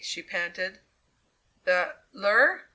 she panted. "The lure?"